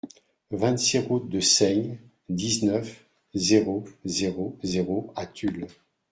vingt-six route de Seigne, dix-neuf, zéro zéro zéro à Tulle